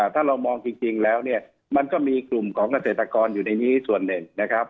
ถ้าเรามองจริงแล้วเนี่ยมันก็มีกลุ่มของเกษตรกรอยู่ในนี้ส่วนหนึ่งนะครับ